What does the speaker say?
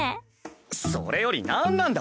それより何なんだ？